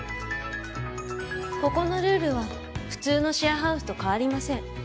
ここのルールは普通のシェアハウスと変わりません。